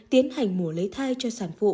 tiến hành mùa lấy thai cho sản phụ